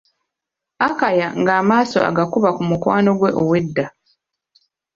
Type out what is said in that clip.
Akaya nga amaaso agakuba ku mukwano ggwe ow'edda.